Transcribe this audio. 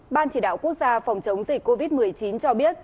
ban chỉ đạo quốc gia phòng chống dịch covid một mươi chín cho biết